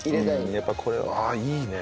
やっぱこれは。ああいいね。